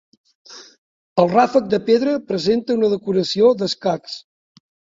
El ràfec de pedra presenta una decoració d'escacs.